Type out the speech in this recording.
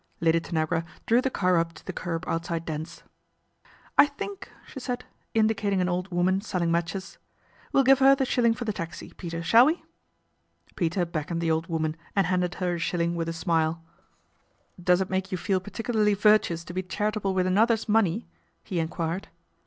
Lady Tanagra drew the car up to the curb out side Dent's. " I think " she said, indicating an old woman selling matches, " we'll give her the shilling for the taxi Peter, shall we ?" Peter beckoned the old woman and handed her a shilling with a smile. 114 PATRICIA BRENT, SPINSTER " Does it make you feel particularly virtuous to be charitable with another's money ?" he en quired.